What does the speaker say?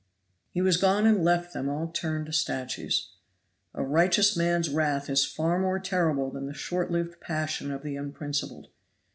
He was gone and left them all turned to statues. A righteous man's wrath is far more terrible than the short lived passion of the unprincipled.